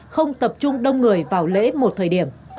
không tập trung đông người vào lễ một thời điểm